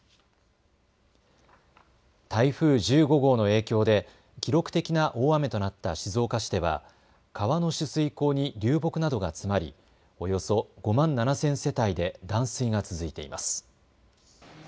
台風１５号の影響で記録的な大雨となった静岡市では川の取水口に流木などが詰まりおよそ５万７０００世帯で断水が続いています。